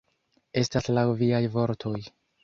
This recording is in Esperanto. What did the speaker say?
Estas laŭ viaj vortoj.